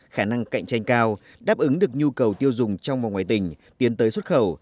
khả năng cạnh tranh cao đáp ứng được nhu cầu tiêu dùng trong và ngoài tỉnh tiến tới xuất khẩu